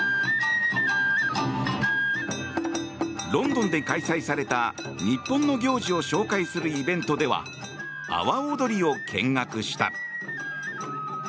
ロンドンで開催された日本の行事を紹介するイベントでは阿波踊りを見学した。